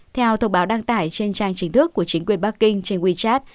theo thông báo đăng tải trên trang chính thức của chính quyền bắc kinh trên wechat